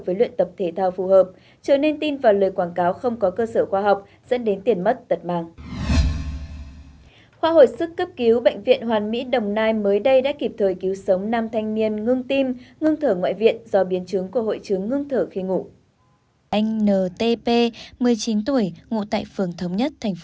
với luyện tập thể thao phù hợp trở nên tin vào lời quảng cáo không có cơ sở khoa học dẫn đến tiền mất tật màng